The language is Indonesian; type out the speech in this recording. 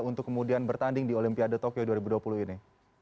untuk kemudian bertanding di olimpiade tokyo dua ribu dua puluh ini